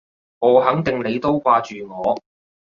我肯定你都掛住我